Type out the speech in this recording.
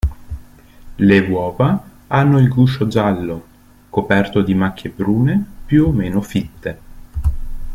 Le uova hanno il guscio giallo, coperto di macchie brune più o meno fitte.